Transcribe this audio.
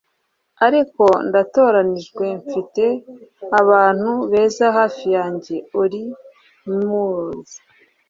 ariko ndatoranijwe mfite abantu beza hafi yanjye - olly murs